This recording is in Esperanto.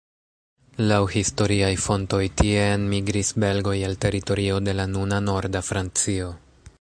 Laŭ historiaj fontoj tie enmigris belgoj el teritorio de la nuna norda Francio.